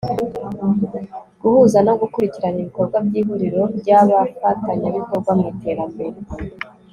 guhuza no gukurikirana ibikorwa by'ihuriro ry'abafatanyabikorwa mu iterambere